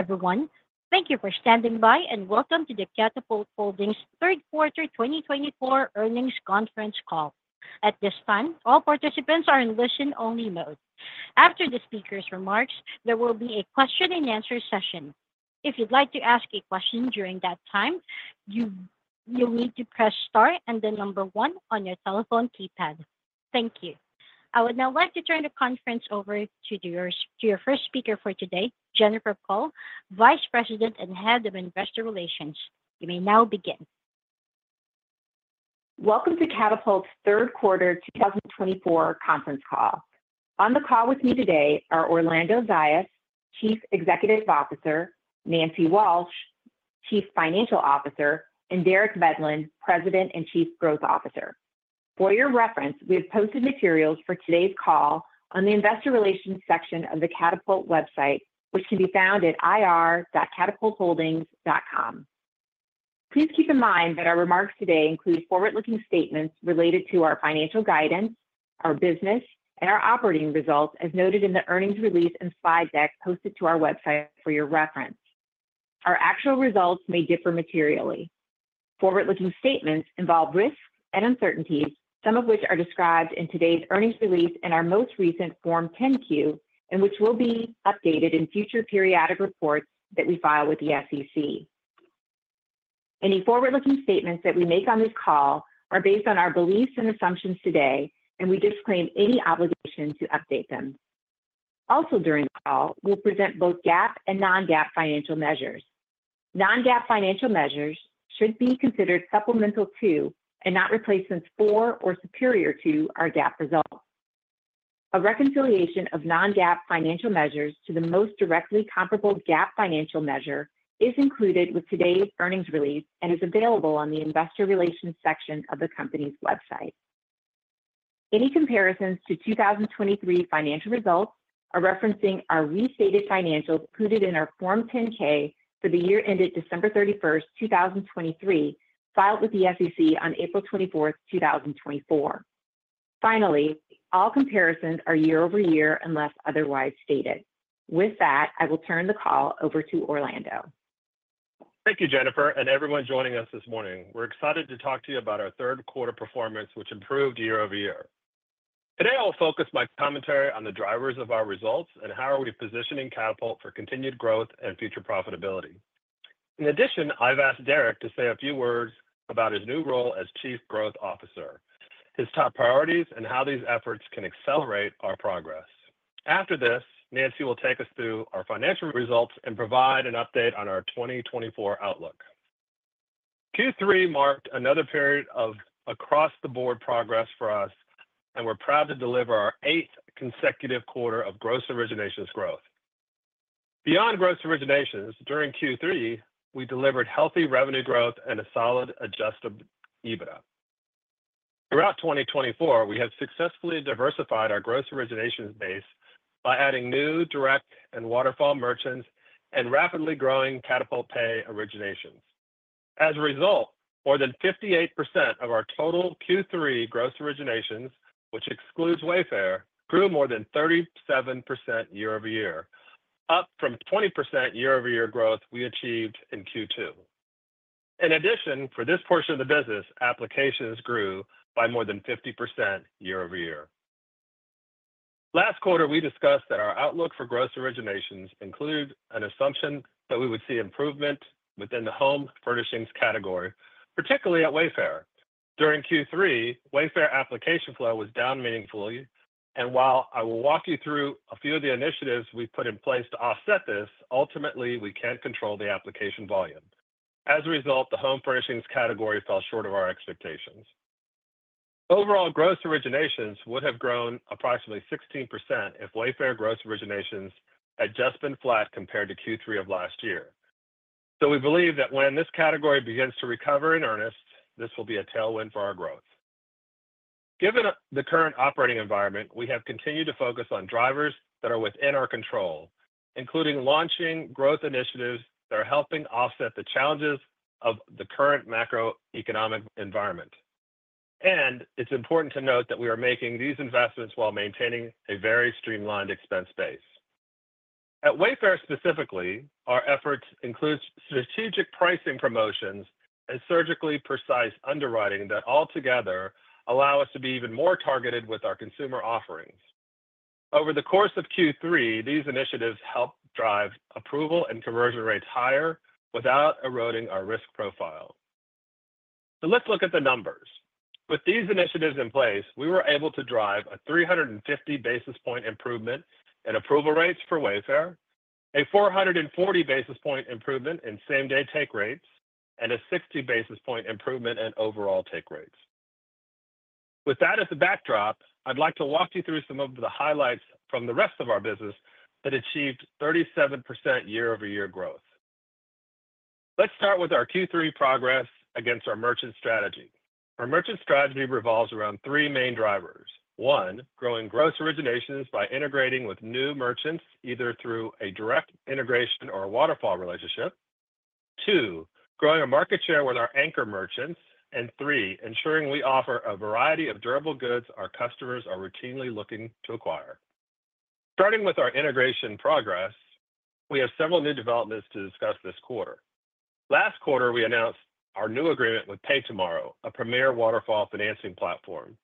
Everyone, thank you for standing by, and welcome to the Katapult Holdings' third quarter 2024 Earnings Conference Call. At this time, all participants are in listen-only mode. After the speaker's remarks, there will be a question-and-answer session. If you'd like to ask a question during that time, you'll need to press Star and then number 1 on your telephone keypad. Thank you. I would now like to turn the conference over to your first speaker for today, Jennifer Kull, Vice President and Head of Investor Relations. You may now begin. Welcome to Katapult's third quarter 2024 Conference Call. On the call with me today are Orlando Zayas, Chief Executive Officer, Nancy Walsh, Chief Financial Officer, and Derek Medlin, President and Chief Growth Officer. For your reference, we have posted materials for today's call on the Investor Relations section of the Katapult website, which can be found at ir.katapultholdings.com. Please keep in mind that our remarks today include forward-looking statements related to our financial guidance, our business, and our operating results, as noted in the earnings release and slide deck posted to our website for your reference. Our actual results may differ materially. Forward-looking statements involve risks and uncertainties, some of which are described in today's earnings release and our most recent Form 10-Q, which will be updated in future periodic reports that we file with the SEC. Any forward-looking statements that we make on this call are based on our beliefs and assumptions today, and we disclaim any obligation to update them. Also, during the call, we'll present both GAAP and non-GAAP financial measures. Non-GAAP financial measures should be considered supplemental to and not replacements for or superior to our GAAP results. A reconciliation of non-GAAP financial measures to the most directly comparable GAAP financial measure is included with today's earnings release and is available on the Investor Relations section of the company's website. Any comparisons to 2023 financial results are referencing our restated financials included in our Form 10-K for the year ended December 31, 2023, filed with the SEC on April 24, 2024. Finally, all comparisons are year-over-year unless otherwise stated. With that, I will turn the call over to Orlando. Thank you, Jennifer, and everyone joining us this morning. We're excited to talk to you about our third-quarter performance, which improved year-over-year. Today, I'll focus my commentary on the drivers of our results and how we are positioning Katapult for continued growth and future profitability. In addition, I've asked Derek to say a few words about his new role as Chief Growth Officer, his top priorities, and how these efforts can accelerate our progress. After this, Nancy will take us through our financial results and provide an update on our 2024 outlook. Q3 marked another period of across-the-board progress for us, and we're proud to deliver our eighth consecutive quarter of gross originations growth. Beyond gross originations, during Q3, we delivered healthy revenue growth and a solid adjusted EBITDA. Throughout 2024, we have successfully diversified our gross originations base by adding new direct and waterfall merchants and rapidly growing Katapult Pay originations. As a result, more than 58% of our total Q3 gross originations, which excludes Wayfair, grew more than 37% year-over-year, up from 20% year-over-year growth we achieved in Q2. In addition, for this portion of the business, applications grew by more than 50% year-over-year. Last quarter, we discussed that our outlook for gross originations includes an assumption that we would see improvement within the home furnishings category, particularly at Wayfair. During Q3, Wayfair application flow was down meaningfully, and while I will walk you through a few of the initiatives we've put in place to offset this, ultimately, we can't control the application volume. As a result, the home furnishings category fell short of our expectations. Overall, gross originations would have grown approximately 16% if Wayfair gross originations had just been flat compared to Q3 of last year, so we believe that when this category begins to recover in earnest, this will be a tailwind for our growth. Given the current operating environment, we have continued to focus on drivers that are within our control, including launching growth initiatives that are helping offset the challenges of the current macroeconomic environment, and it's important to note that we are making these investments while maintaining a very streamlined expense base. At Wayfair specifically, our efforts include strategic pricing promotions and surgically precise underwriting that altogether allow us to be even more targeted with our consumer offerings. Over the course of Q3, these initiatives help drive approval and conversion rates higher without eroding our risk profile, so let's look at the numbers. With these initiatives in place, we were able to drive a 350 basis point improvement in approval rates for Wayfair, a 440 basis point improvement in same-day take rates, and a 60 basis point improvement in overall take rates. With that as the backdrop, I'd like to walk you through some of the highlights from the rest of our business that achieved 37% year-over-year growth. Let's start with our Q3 progress against our merchant strategy. Our merchant strategy revolves around three main drivers: one, growing gross originations by integrating with new merchants, either through a direct integration or a waterfall relationship, two, growing our market share with our anchor merchants, and three, ensuring we offer a variety of durable goods our customers are routinely looking to acquire. Starting with our integration progress, we have several new developments to discuss this quarter. Last quarter, we announced our new agreement with PayTomorrow, a premier waterfall financing platform.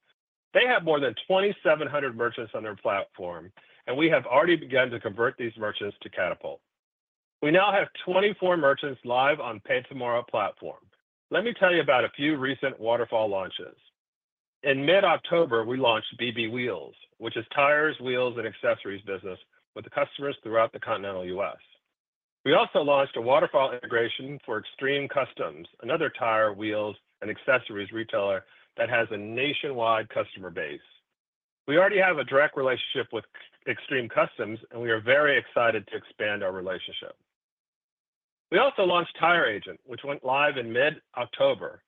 They have more than 2,700 merchants on their platform, and we have already begun to convert these merchants to Katapult. We now have 24 merchants live on PayTomorrow platform. Let me tell you about a few recent waterfall launches. In mid-October, we launched BB Wheels, which is tires, wheels, and accessories business with customers throughout the continental U.S. We also launched a waterfall integration for Extreme Customs, another tire, wheels, and accessories retailer that has a nationwide customer base. We already have a direct relationship with Extreme Customs, and we are very excited to expand our relationship. We also launched Tire Agent, which went live in mid-October.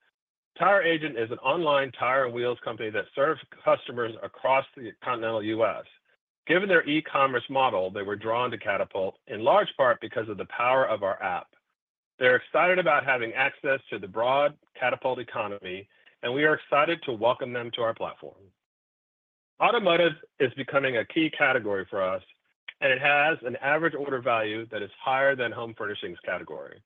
Tire Agent is an online tire and wheels company that serves customers across the continental U.S. Given their e-commerce model, they were drawn to Katapult in large part because of the power of our app. They're excited about having access to the broad Katapult economy, and we are excited to welcome them to our platform. Automotive is becoming a key category for us, and it has an average order value that is higher than home furnishings category.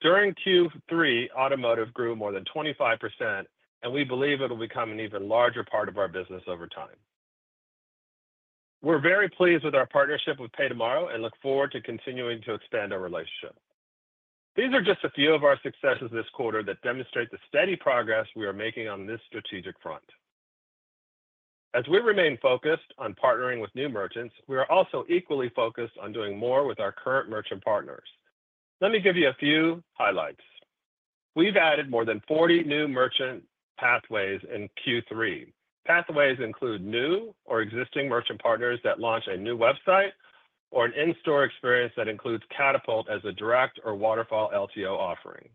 During Q3, automotive grew more than 25%, and we believe it will become an even larger part of our business over time. We're very pleased with our partnership with PayTomorrow and look forward to continuing to expand our relationship. These are just a few of our successes this quarter that demonstrate the steady progress we are making on this strategic front. As we remain focused on partnering with new merchants, we are also equally focused on doing more with our current merchant partners. Let me give you a few highlights. We've added more than 40 new merchant pathways in Q3. Pathways include new or existing merchant partners that launch a new website or an in-store experience that includes Katapult as a direct or waterfall LTO offering.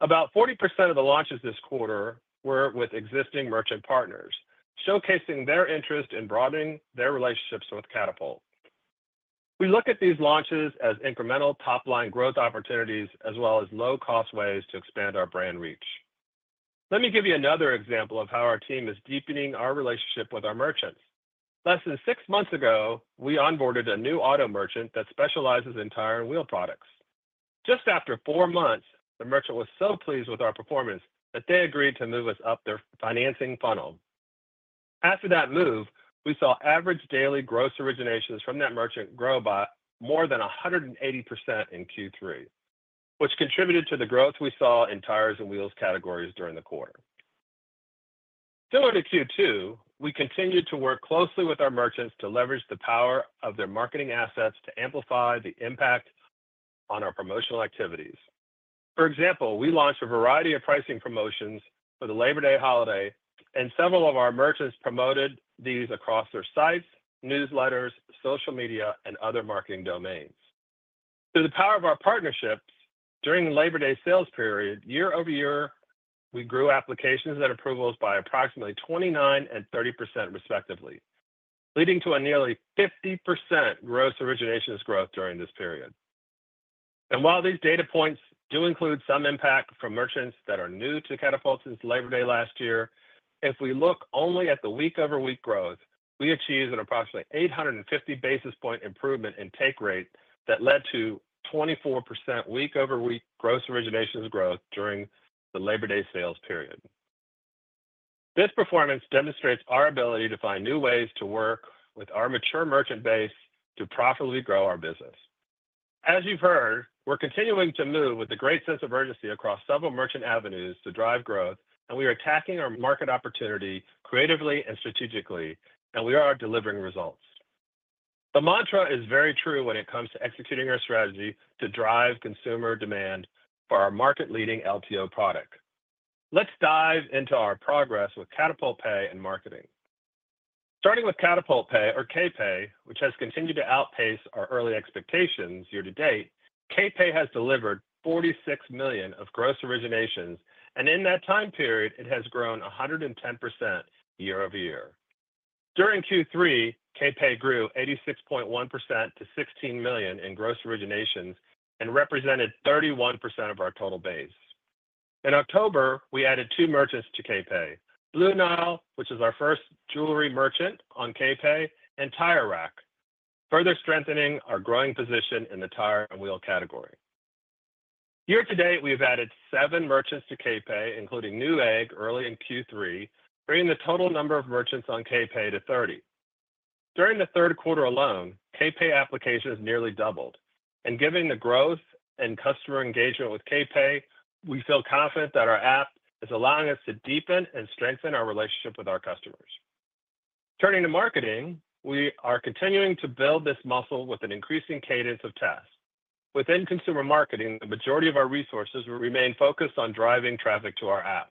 About 40% of the launches this quarter were with existing merchant partners, showcasing their interest in broadening their relationships with Katapult. We look at these launches as incremental top-line growth opportunities as well as low-cost ways to expand our brand reach. Let me give you another example of how our team is deepening our relationship with our merchants. Less than six months ago, we onboarded a new auto merchant that specializes in tire and wheel products. Just after four months, the merchant was so pleased with our performance that they agreed to move us up their financing funnel. After that move, we saw average daily gross originations from that merchant grow by more than 180% in Q3, which contributed to the growth we saw in tires and wheels categories during the quarter. Similar to Q2, we continued to work closely with our merchants to leverage the power of their marketing assets to amplify the impact on our promotional activities. For example, we launched a variety of pricing promotions for the Labor Day holiday, and several of our merchants promoted these across their sites, newsletters, social media, and other marketing domains. Through the power of our partnerships during the Labor Day sales period, year-over-year, we grew applications and approvals by approximately 29% and 30%, respectively, leading to a nearly 50% gross originations growth during this period. And while these data points do include some impact from merchants that are new to Katapult since Labor Day last year, if we look only at the week-over-week growth, we achieved an approximately 850 basis point improvement in take rate that led to 24% week-over-week gross originations growth during the Labor Day sales period. This performance demonstrates our ability to find new ways to work with our mature merchant base to profitably grow our business. As you've heard, we're continuing to move with a great sense of urgency across several merchant avenues to drive growth, and we are attacking our market opportunity creatively and strategically, and we are delivering results. The mantra is very true when it comes to executing our strategy to drive consumer demand for our market-leading LTO product. Let's dive into our progress with Katapult Pay and marketing. Starting with Katapult Pay or KPay, which has continued to outpace our early expectations year-to-date, KPay has delivered $46 million of gross originations, and in that time period, it has grown 110% year-over-year. During Q3, KPay grew 86.1% to $16 million in gross originations and represented 31% of our total base. In October, we added two merchants to KPay: Blue Nile, which is our first jewelry merchant on KPay, and Tire Rack, further strengthening our growing position in the tire and wheel category. Year-to-date, we have added seven merchants to KPay, including Newegg, early in Q3, bringing the total number of merchants on KPay to 30. During the third quarter alone, KPay applications nearly doubled, and given the growth and customer engagement with KPay, we feel confident that our app is allowing us to deepen and strengthen our relationship with our customers. Turning to marketing, we are continuing to build this muscle with an increasing cadence of tasks. Within consumer marketing, the majority of our resources remain focused on driving traffic to our app.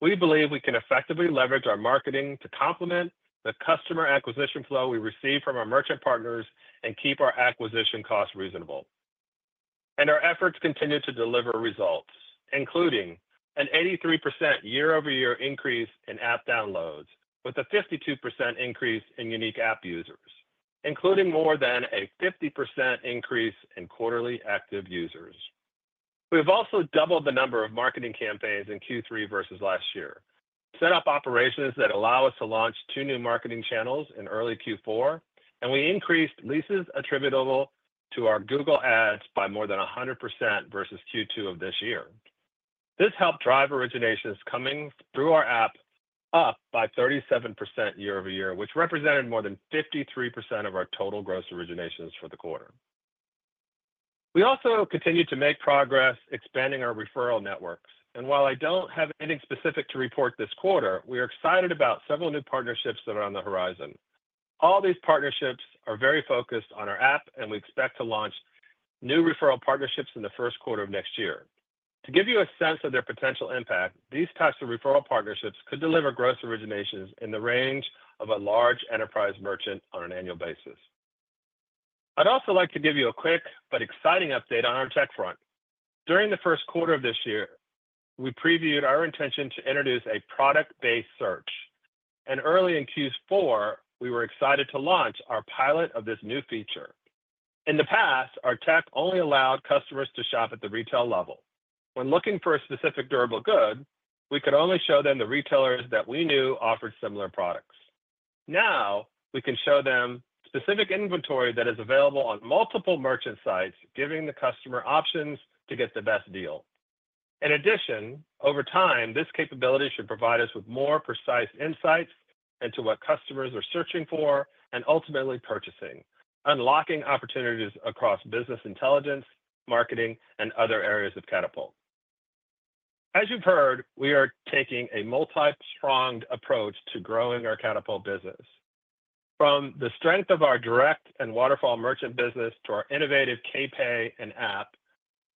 We believe we can effectively leverage our marketing to complement the customer acquisition flow we receive from our merchant partners and keep our acquisition costs reasonable, and our efforts continue to deliver results, including an 83% year-over-year increase in app downloads, with a 52% increase in unique app users, including more than a 50% increase in quarterly active users. We've also doubled the number of marketing campaigns in Q3 versus last year, set up operations that allow us to launch two new marketing channels in early Q4, and we increased leases attributable to our Google Ads by more than 100% versus Q2 of this year. This helped drive originations coming through our app up by 37% year-over-year, which represented more than 53% of our total gross originations for the quarter. We also continue to make progress expanding our referral networks. And while I don't have anything specific to report this quarter, we are excited about several new partnerships that are on the horizon. All these partnerships are very focused on our app, and we expect to launch new referral partnerships in the first quarter of next year. To give you a sense of their potential impact, these types of referral partnerships could deliver gross originations in the range of a large enterprise merchant on an annual basis. I'd also like to give you a quick but exciting update on our tech front. During the first quarter of this year, we previewed our intention to introduce a product-based search. Early in Q4, we were excited to launch our pilot of this new feature. In the past, our tech only allowed customers to shop at the retail level. When looking for a specific durable good, we could only show them the retailers that we knew offered similar products. Now, we can show them specific inventory that is available on multiple merchant sites, giving the customer options to get the best deal. In addition, over time, this capability should provide us with more precise insights into what customers are searching for and ultimately purchasing, unlocking opportunities across business intelligence, marketing, and other areas of Katapult. As you've heard, we are taking a multi-pronged approach to growing our Katapult business. From the strength of our direct and waterfall merchant business to our innovative KPay and app,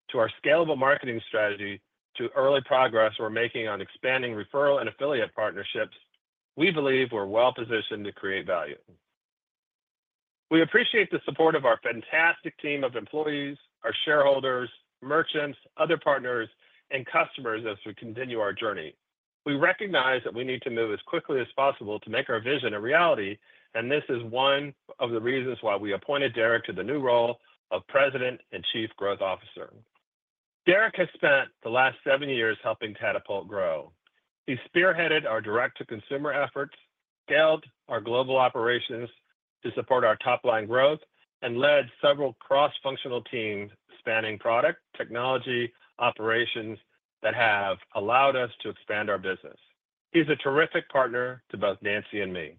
to our scalable marketing strategy, to early progress we're making on expanding referral and affiliate partnerships, we believe we're well-positioned to create value. We appreciate the support of our fantastic team of employees, our shareholders, merchants, other partners, and customers as we continue our journey. We recognize that we need to move as quickly as possible to make our vision a reality, and this is one of the reasons why we appointed Derek to the new role of President and Chief Growth Officer. Derek has spent the last seven years helping Katapult grow. He spearheaded our direct-to-consumer efforts, scaled our global operations to support our top-line growth, and led several cross-functional teams spanning product, technology, operations that have allowed us to expand our business. He's a terrific partner to both Nancy and me.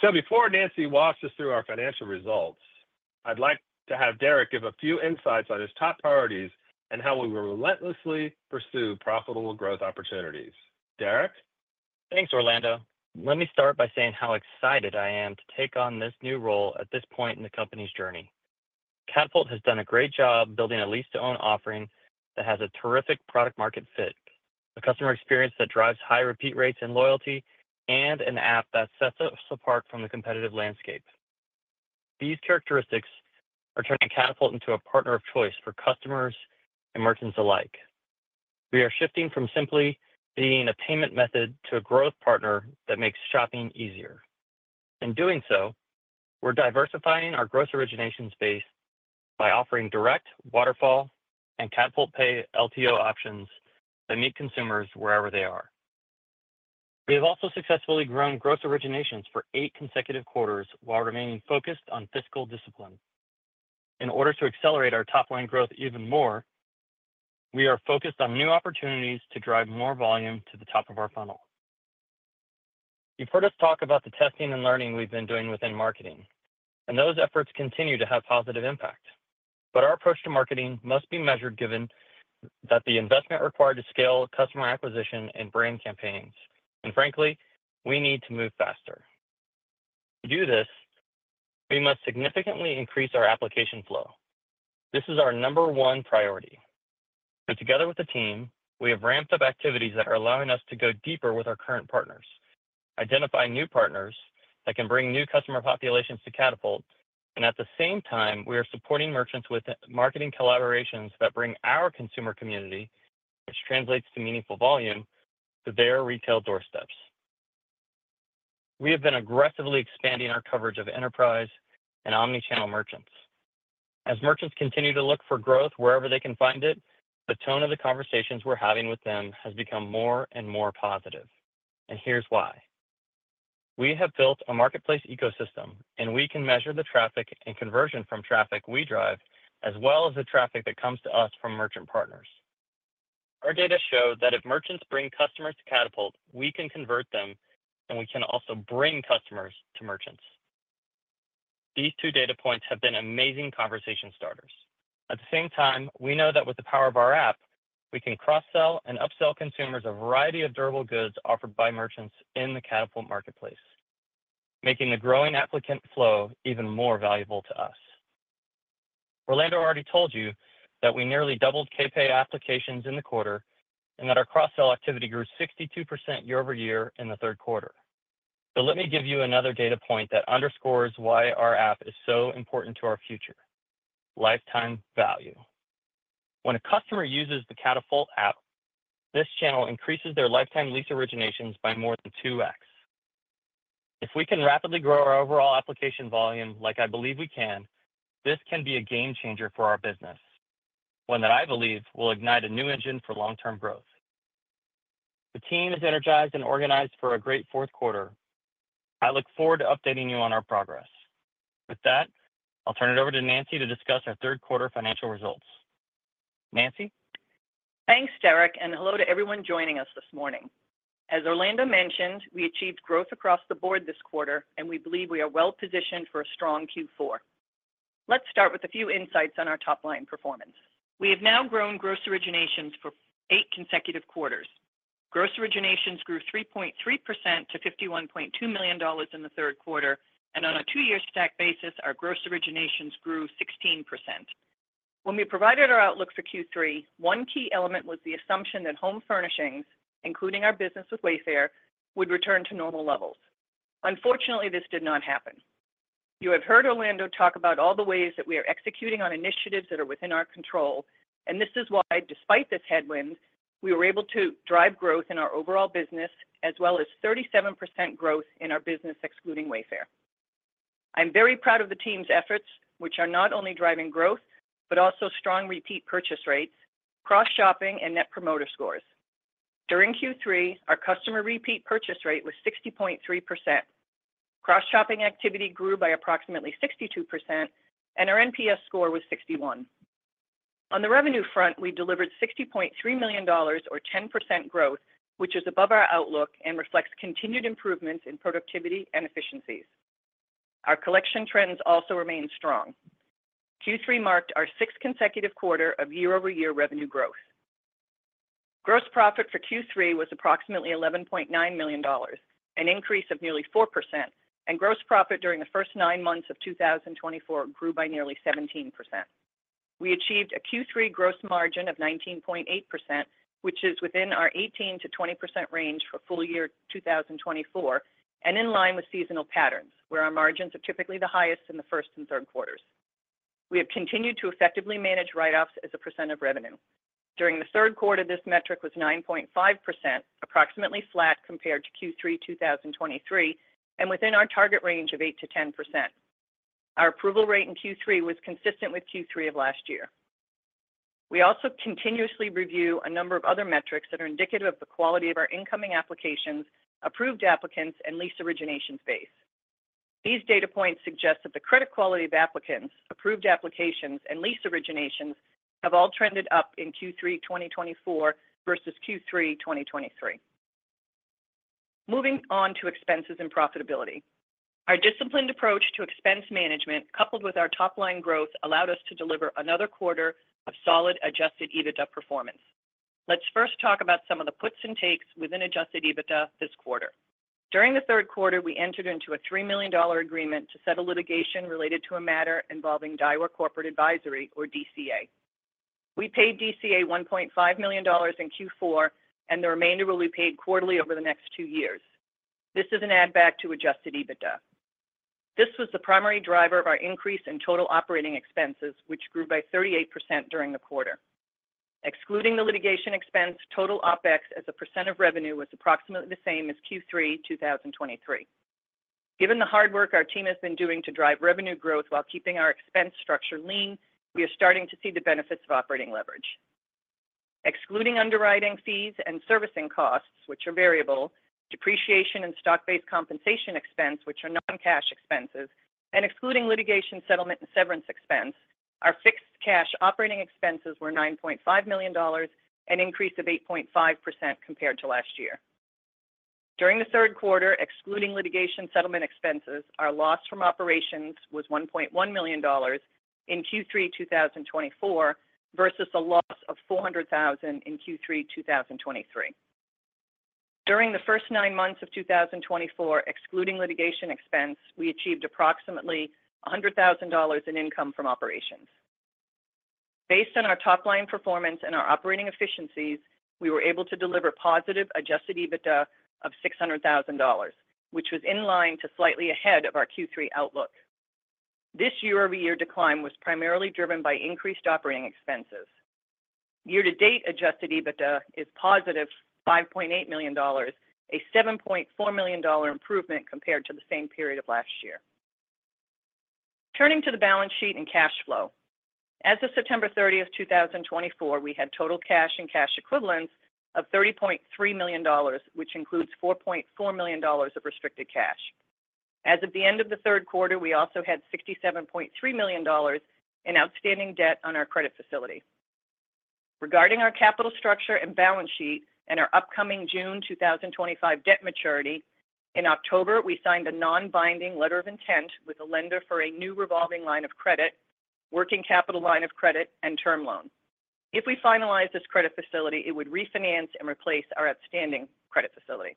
So before Nancy walks us through our financial results, I'd like to have Derek give a few insights on his top priorities and how we will relentlessly pursue profitable growth opportunities. Derek? Thanks, Orlando. Let me start by saying how excited I am to take on this new role at this point in the company's journey. Katapult has done a great job building a lease-to-own offering that has a terrific product-market fit, a customer experience that drives high repeat rates and loyalty, and an app that sets us apart from the competitive landscape. These characteristics are turning Katapult into a partner of choice for customers and merchants alike. We are shifting from simply being a payment method to a growth partner that makes shopping easier. In doing so, we're diversifying our gross originations base by offering direct, waterfall, and Katapult Pay LTO options that meet consumers wherever they are. We have also successfully grown gross originations for eight consecutive quarters while remaining focused on fiscal discipline. In order to accelerate our top-line growth even more, we are focused on new opportunities to drive more volume to the top of our funnel. You've heard us talk about the testing and learning we've been doing within marketing, and those efforts continue to have positive impact. But our approach to marketing must be measured given that the investment required to scale customer acquisition and brand campaigns, and frankly, we need to move faster. To do this, we must significantly increase our application flow. This is our number one priority. So together with the team, we have ramped up activities that are allowing us to go deeper with our current partners, identify new partners that can bring new customer populations to Katapult, and at the same time, we are supporting merchants with marketing collaborations that bring our consumer community, which translates to meaningful volume, to their retail doorsteps. We have been aggressively expanding our coverage of enterprise and omnichannel merchants. As merchants continue to look for growth wherever they can find it, the tone of the conversations we're having with them has become more and more positive, and here's why. We have built a marketplace ecosystem, and we can measure the traffic and conversion from traffic we drive as well as the traffic that comes to us from merchant partners. Our data show that if merchants bring customers to Katapult, we can convert them, and we can also bring customers to merchants. These two data points have been amazing conversation starters. At the same time, we know that with the power of our app, we can cross-sell and upsell consumers a variety of durable goods offered by merchants in the Katapult marketplace, making the growing applicant flow even more valuable to us. Orlando already told you that we nearly doubled KPay applications in the quarter and that our cross-sell activity grew 62% year-over-year in the third quarter. But let me give you another data point that underscores why our app is so important to our future: lifetime value. When a customer uses the Katapult app, this channel increases their lifetime lease originations by more than 2x. If we can rapidly grow our overall application volume like I believe we can, this can be a game changer for our business, one that I believe will ignite a new engine for long-term growth. The team is energized and organized for a great fourth quarter. I look forward to updating you on our progress. With that, I'll turn it over to Nancy to discuss our third quarter financial results. Nancy? Thanks, Derek, and hello to everyone joining us this morning. As Orlando mentioned, we achieved growth across the board this quarter, and we believe we are well-positioned for a strong Q4. Let's start with a few insights on our top-line performance. We have now grown gross originations for eight consecutive quarters. Gross originations grew 3.3% to $51.2 million in the third quarter, and on a two-year stack basis, our gross originations grew 16%. When we provided our outlook for Q3, one key element was the assumption that home furnishings, including our business with Wayfair, would return to normal levels. Unfortunately, this did not happen. You have heard Orlando talk about all the ways that we are executing on initiatives that are within our control, and this is why, despite this headwind, we were able to drive growth in our overall business as well as 37% growth in our business excluding Wayfair. I'm very proud of the team's efforts, which are not only driving growth but also strong repeat purchase rates, cross-shopping, and Net Promoter Scores. During Q3, our customer repeat purchase rate was 60.3%. Cross-shopping activity grew by approximately 62%, and our NPS score was 61. On the revenue front, we delivered $60.3 million, or 10% growth, which is above our outlook and reflects continued improvements in productivity and efficiencies. Our collection trends also remain strong. Q3 marked our sixth consecutive quarter of year-over-year revenue growth. Gross profit for Q3 was approximately $11.9 million, an increase of nearly 4%, and gross profit during the first nine months of 2024 grew by nearly 17%. We achieved a Q3 gross margin of 19.8%, which is within our 18%-20% range for full year 2024, and in line with seasonal patterns where our margins are typically the highest in the first and third quarters. We have continued to effectively manage write-offs as a percent of revenue. During the third quarter, this metric was 9.5%, approximately flat compared to Q3 2023, and within our target range of 8%-10%. Our approval rate in Q3 was consistent with Q3 of last year. We also continuously review a number of other metrics that are indicative of the quality of our incoming applications, approved applicants, and lease originations base. These data points suggest that the credit quality of applicants, approved applications, and lease originations have all trended up in Q3 2024 versus Q3 2023. Moving on to expenses and profitability. Our disciplined approach to expense management, coupled with our top-line growth, allowed us to deliver another quarter of solid Adjusted EBITDA performance. Let's first talk about some of the puts and takes within Adjusted EBITDA this quarter. During the third quarter, we entered into a $3 million agreement to settle litigation related to a matter involving Daiwa Corporate Advisory, or DCA. We paid DCA $1.5 million in Q4, and the remainder will be paid quarterly over the next two years. This is an add-back to Adjusted EBITDA. This was the primary driver of our increase in total operating expenses, which grew by 38% during the quarter. Excluding the litigation expense, total OpEx as a percent of revenue was approximately the same as Q3 2023. Given the hard work our team has been doing to drive revenue growth while keeping our expense structure lean, we are starting to see the benefits of operating leverage. Excluding underwriting fees and servicing costs, which are variable, depreciation and stock-based compensation expense, which are non-cash expenses, and excluding litigation settlement and severance expense, our fixed cash operating expenses were $9.5 million and increased by 8.5% compared to last year. During the third quarter, excluding litigation settlement expenses, our loss from operations was $1.1 million in Q3 2024 versus a loss of $400,000 in Q3 2023. During the first nine months of 2024, excluding litigation expense, we achieved approximately $100,000 in income from operations. Based on our top-line performance and our operating efficiencies, we were able to deliver positive Adjusted EBITDA of $600,000, which was in line to slightly ahead of our Q3 outlook. This year-over-year decline was primarily driven by increased operating expenses. Year-to-date Adjusted EBITDA is positive $5.8 million, a $7.4 million improvement compared to the same period of last year. Turning to the balance sheet and cash flow. As of September 30th, 2024, we had total cash and cash equivalents of $30.3 million, which includes $4.4 million of restricted cash. As of the end of the third quarter, we also had $67.3 million in outstanding debt on our credit facility. Regarding our capital structure and balance sheet and our upcoming June 2025 debt maturity, in October, we signed a non-binding letter of intent with a lender for a new revolving line of credit, working capital line of credit, and term loan. If we finalize this credit facility, it would refinance and replace our outstanding credit facility.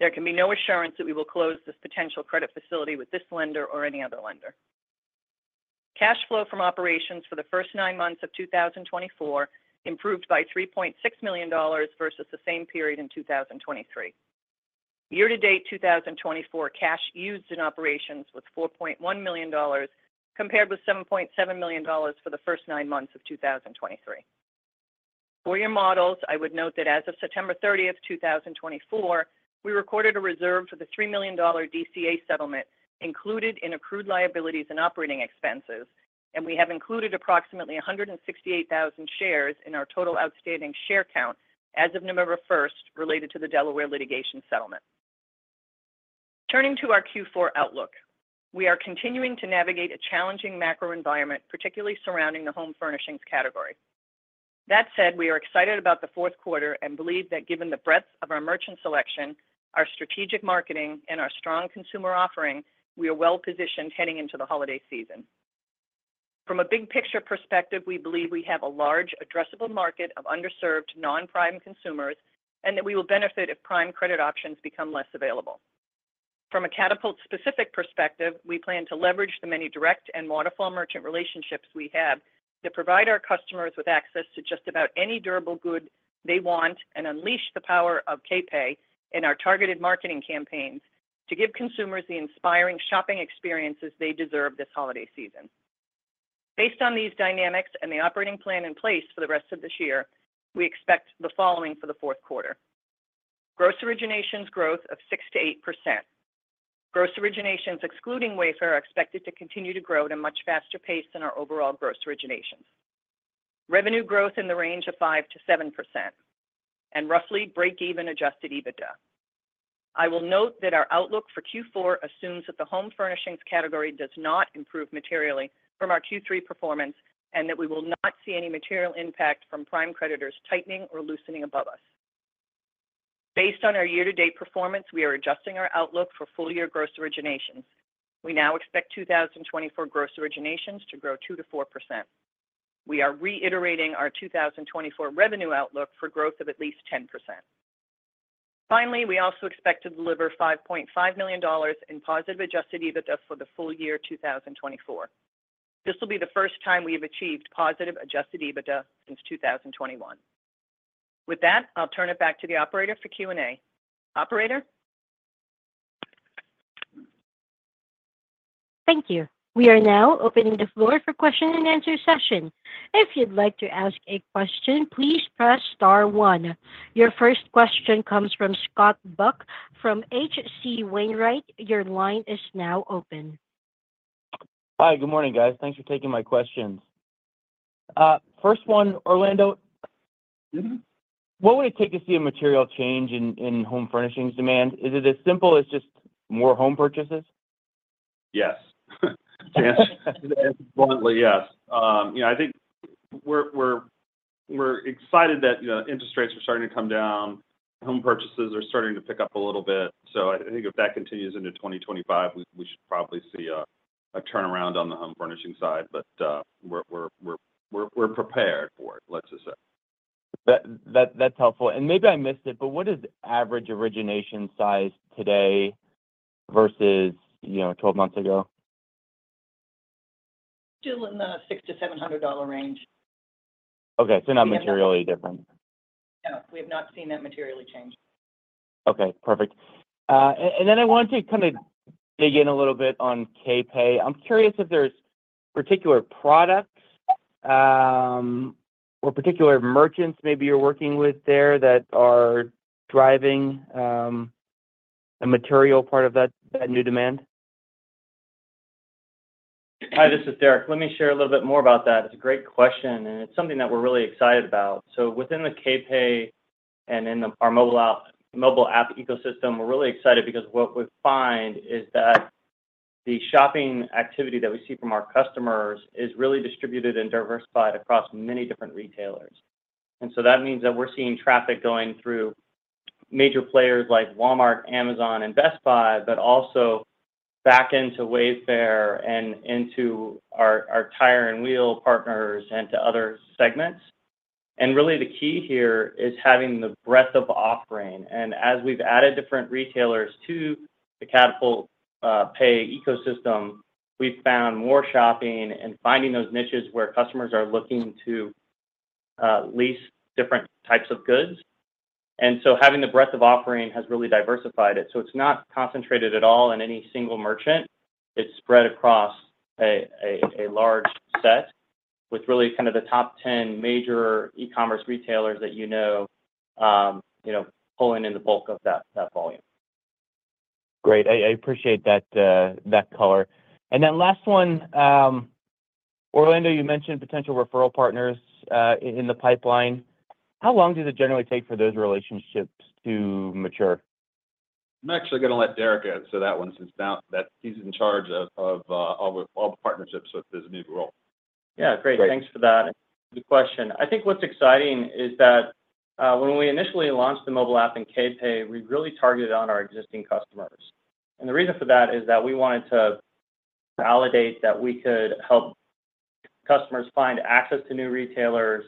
There can be no assurance that we will close this potential credit facility with this lender or any other lender. Cash flow from operations for the first nine months of 2024 improved by $3.6 million versus the same period in 2023. Year-to-date 2024 cash used in operations was $4.1 million compared with $7.7 million for the first nine months of 2023. For your models, I would note that as of September 30th, 2024, we recorded a reserve for the $3 million DCA settlement included in accrued liabilities and operating expenses, and we have included approximately 168,000 shares in our total outstanding share count as of November 1st related to the Delaware litigation settlement. Turning to our Q4 outlook, we are continuing to navigate a challenging macro environment, particularly surrounding the home furnishings category. That said, we are excited about the fourth quarter and believe that given the breadth of our merchant selection, our strategic marketing, and our strong consumer offering, we are well-positioned heading into the holiday season. From a big-picture perspective, we believe we have a large, addressable market of underserved non-prime consumers and that we will benefit if prime credit options become less available. From a Katapult-specific perspective, we plan to leverage the many direct and waterfall merchant relationships we have to provide our customers with access to just about any durable good they want and unleash the power of KPay in our targeted marketing campaigns to give consumers the inspiring shopping experiences they deserve this holiday season. Based on these dynamics and the operating plan in place for the rest of this year, we expect the following for the fourth quarter: gross originations growth of 6%-8%. Gross originations excluding Wayfair are expected to continue to grow at a much faster pace than our overall gross originations. Revenue growth in the range of 5%-7% and roughly break-even Adjusted EBITDA. I will note that our outlook for Q4 assumes that the home furnishings category does not improve materially from our Q3 performance and that we will not see any material impact from prime creditors tightening or loosening above us. Based on our year-to-date performance, we are adjusting our outlook for full-year gross originations. We now expect 2024 gross originations to grow 2%-4%. We are reiterating our 2024 revenue outlook for growth of at least 10%. Finally, we also expect to deliver $5.5 million in positive Adjusted EBITDA for the full year 2024. This will be the first time we have achieved positive Adjusted EBITDA since 2021. With that, I'll turn it back to the operator for Q&A. Operator? Thank you. We are now opening the floor for question and answer session. If you'd like to ask a question, please press star one. Your first question comes from Scott Buck from H.C. Wainwright. Your line is now open. Hi. Good morning, guys. Thanks for taking my questions. First one, Orlando. Mm-hmm. What would it take to see a material change in home furnishings demand? Is it as simple as just more home purchases? Yes. Yes. Bluntly, yes. I think we're excited that interest rates are starting to come down. Home purchases are starting to pick up a little bit. So I think if that continues into 2025, we should probably see a turnaround on the home furnishing side. But we're prepared for it, let's just say. That's helpful, and maybe I missed it, but what is average origination size today versus 12 months ago? Still in the $600-$700 range. Okay. So not materially different. No. We have not seen that materially change. Okay. Perfect. And then I wanted to kind of dig in a little bit on KPay. I'm curious if there's particular products or particular merchants maybe you're working with there that are driving a material part of that new demand? Hi, this is Derek. Let me share a little bit more about that. It's a great question, and it's something that we're really excited about. So within the KPay and in our mobile app ecosystem, we're really excited because what we find is that the shopping activity that we see from our customers is really distributed and diversified across many different retailers. And so that means that we're seeing traffic going through major players like Walmart, Amazon, and Best Buy, but also back into Wayfair and into our tire and wheel partners and to other segments. And really, the key here is having the breadth of offering. And as we've added different retailers to the Katapult Pay ecosystem, we've found more shopping and finding those niches where customers are looking to lease different types of goods. And so having the breadth of offering has really diversified it. So it's not concentrated at all in any single merchant. It's spread across a large set with really kind of the top 10 major e-commerce retailers that you know pulling in the bulk of that volume. Great. I appreciate that color. And then last one, Orlando, you mentioned potential referral partners in the pipeline. How long does it generally take for those relationships to mature? I'm actually going to let Derek answer that one since he's in charge of all the partnerships with his new role. Yeah. Great. Thanks for that. Good question. I think what's exciting is that when we initially launched the mobile app in KPay, we really targeted on our existing customers, and the reason for that is that we wanted to validate that we could help customers find access to new retailers,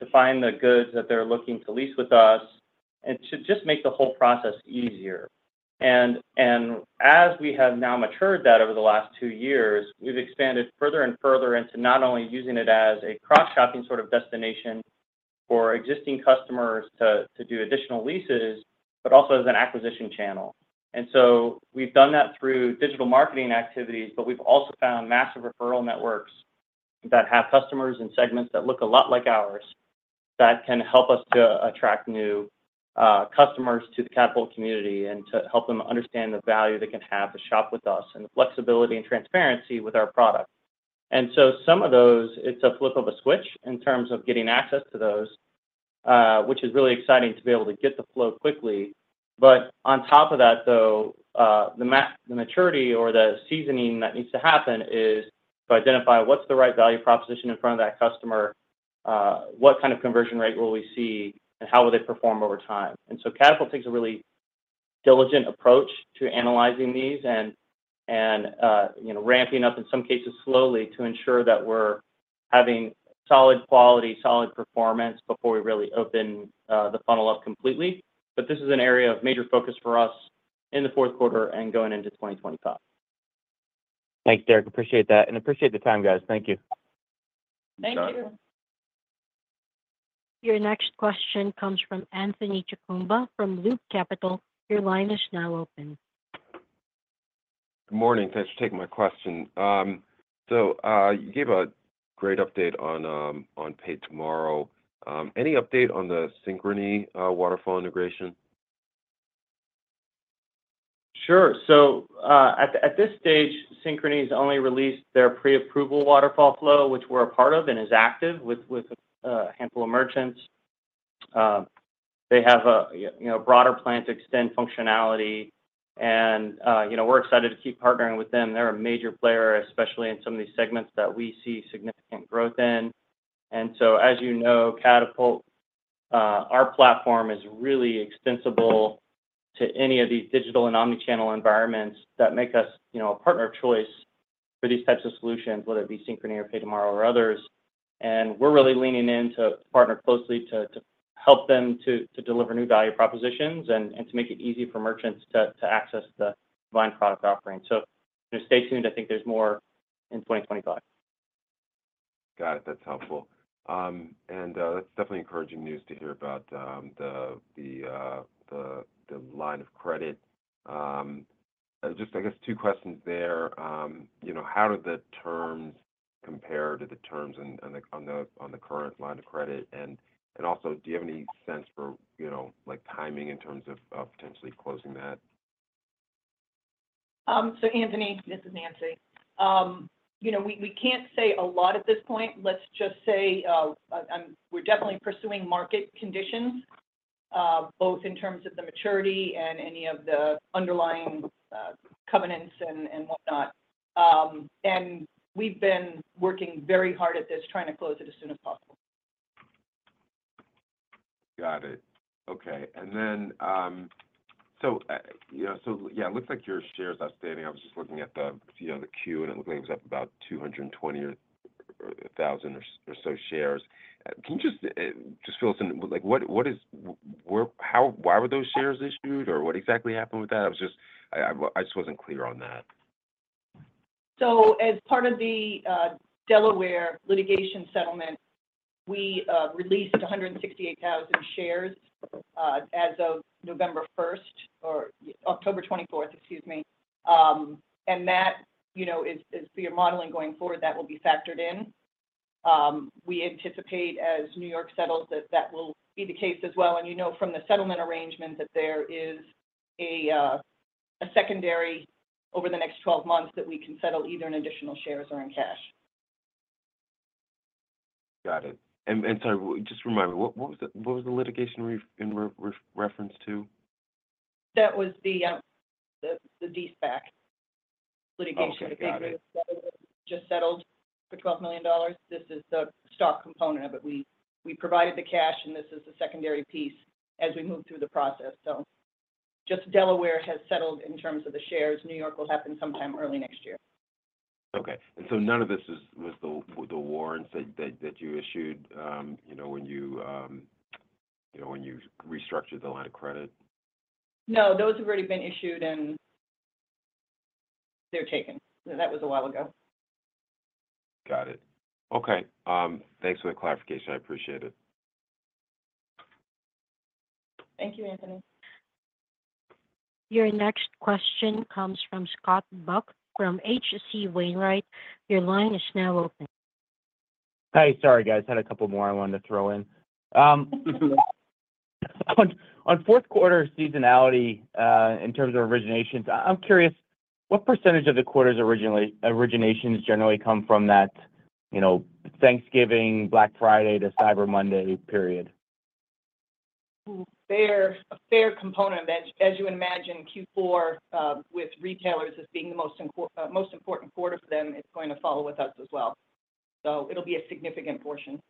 to find the goods that they're looking to lease with us, and to just make the whole process easier, and as we have now matured that over the last two years, we've expanded further and further into not only using it as a cross-shopping sort of destination for existing customers to do additional leases, but also as an acquisition channel. And so we've done that through digital marketing activities, but we've also found massive referral networks that have customers in segments that look a lot like ours that can help us to attract new customers to the Katapult community and to help them understand the value they can have to shop with us and the flexibility and transparency with our product. And so some of those, it's a flip of a switch in terms of getting access to those, which is really exciting to be able to get the flow quickly. But on top of that, though, the maturity or the seasoning that needs to happen is to identify what's the right value proposition in front of that customer, what kind of conversion rate will we see, and how will they perform over time. And so Katapult takes a really diligent approach to analyzing these and ramping up, in some cases, slowly to ensure that we're having solid quality, solid performance before we really open the funnel up completely. But this is an area of major focus for us in the fourth quarter and going into 2025. Thanks, Derek. Appreciate that. And appreciate the time, guys. Thank you. Thank you. Your next question comes from Anthony Chukumba from Loop Capital. Your line is now open. Good morning. Thanks for taking my question. So you gave a great update on Pay Tomorrow. Any update on the Synchrony Waterfall Integration? Sure. So at this stage, Synchrony has only released their pre-approval waterfall flow, which we're a part of and is active with a handful of merchants. They have a broader plan to extend functionality, and we're excited to keep partnering with them. They're a major player, especially in some of these segments that we see significant growth in. And so, as you know, Katapult, our platform is really extensible to any of these digital and omnichannel environments that make us a partner of choice for these types of solutions, whether it be Synchrony or PayTomorrow or others. And we're really leaning in to partner closely to help them to deliver new value propositions and to make it easy for merchants to access the combined product offering. So stay tuned. I think there's more in 2025. Got it. That's helpful. And that's definitely encouraging news to hear about the line of credit. Just, I guess, two questions there. How do the terms compare to the terms on the current line of credit? And also, do you have any sense for timing in terms of potentially closing that? So, Anthony, this is Nancy. We can't say a lot at this point. Let's just say we're definitely pursuing market conditions, both in terms of the maturity and any of the underlying covenants and whatnot. And we've been working very hard at this, trying to close it as soon as possible. Got it. Okay. And then, so yeah, it looks like your shares are outstanding. I was just looking at the queue, and it looks like it was up about 220,000 or so shares. Can you just fill us in? Why were those shares issued, or what exactly happened with that? I just wasn't clear on that. So, as part of the Delaware litigation settlement, we released 168,000 shares as of November 1st or October 24th, excuse me. And that, for your modeling going forward, that will be factored in. We anticipate, as New York settles, that that will be the case as well. And you know from the settlement arrangement that there is a secondary over the next 12 months that we can settle either in additional shares or in cash. Got it. And sorry, just remind me, what was the litigation in reference to? That was the de-SPAC litigation that they just settled for $12 million. This is the stock component of it. We provided the cash, and this is the secondary piece as we move through the process. So just Delaware has settled in terms of the shares. New York will happen sometime early next year. Okay, and so none of this was the warrants that you issued when you restructured the line of credit? No. Those have already been issued, and they're taken. That was a while ago. Got it. Okay. Thanks for the clarification. I appreciate it. Thank you, Anthony. Your next question comes from Scott Buck from H.C. Wainwright. Your line is now open. Hey, sorry, guys. Had a couple more I wanted to throw in. On fourth quarter seasonality in terms of originations, I'm curious, what percentage of the quarter's originations generally come from that Thanksgiving, Black Friday, to Cyber Monday period? A fair component of that. As you would imagine, Q4 with retailers as being the most important quarter for them, it's going to follow with us as well. So it'll be a significant portion.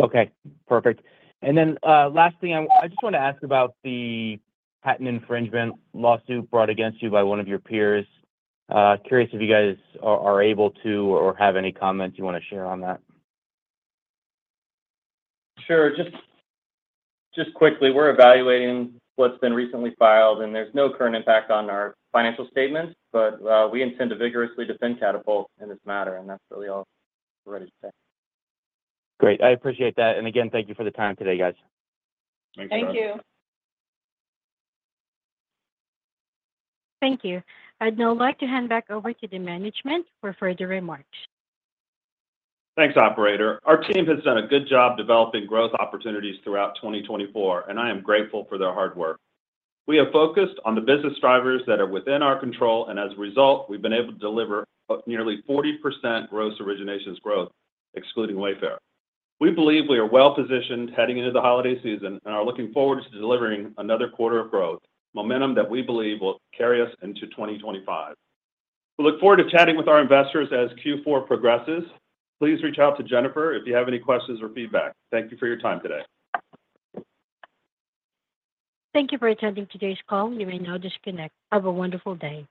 Okay. Perfect. And then last thing, I just wanted to ask about the patent infringement lawsuit brought against you by one of your peers. Curious if you guys are able to or have any comments you want to share on that? Sure. Just quickly, we're evaluating what's been recently filed, and there's no current impact on our financial statements, but we intend to vigorously defend Katapult in this matter, and that's really all we're ready to say. Great. I appreciate that. And again, thank you for the time today, guys. Thanks a lot. Thank you. Thank you. I'd now like to hand back over to the management for further remarks. Thanks, Operator. Our team has done a good job developing growth opportunities throughout 2024, and I am grateful for their hard work. We have focused on the business drivers that are within our control, and as a result, we've been able to deliver nearly 40% gross originations growth, excluding Wayfair. We believe we are well-positioned heading into the holiday season and are looking forward to delivering another quarter of growth, momentum that we believe will carry us into 2025. We look forward to chatting with our investors as Q4 progresses. Please reach out to Jennifer if you have any questions or feedback. Thank you for your time today. Thank you for attending today's call. You may now disconnect. Have a wonderful day.